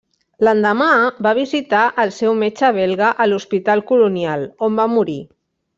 L'endemà, va visitar el seu metge belga a l'hospital colonial, on va morir.